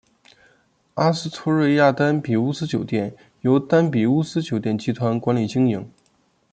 阿斯托瑞亚丹比乌斯酒店由丹比乌斯酒店集团管理经营。